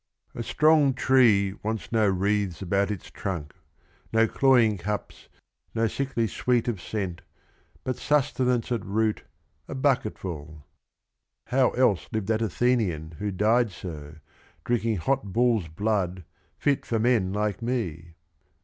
A strong tree wants no wreaths about its trunk, No cloying cups, no sickly sweet of scent, But sustenance at root, a bucketful. How else lived that Athenian who died so, Drinking hot bull's blood, fit for men like me?